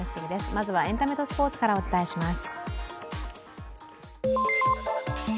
まずはエンタメとスポーツからお伝えします。